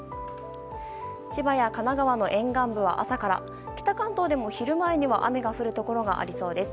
千葉や神奈川の沿岸部は朝から北関東でも、昼前には雨が降るところがありそうです。